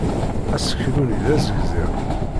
Aseklu-nni d azegzaw.